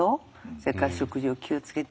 それから食事を気を付けてる。